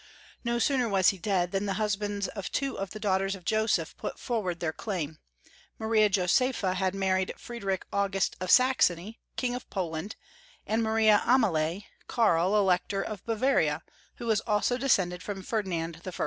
No sooner was he dead than the husbands of the two daughters of Joseph put forward their claim; Marie Josepha had married Friedrich August of Saxony, King of Poland, and Maria Amalie, Karl, Elector of Bavaria, who was also descended from Ferdinand I.